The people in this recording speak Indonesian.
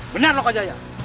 benar loh kak jaya